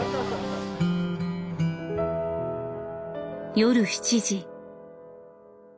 夜７時。